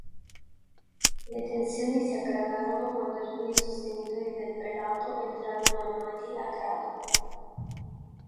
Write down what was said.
Le tensioni si aggravarono quando alcuni sostenitori del prelato entrarono armati a Grado.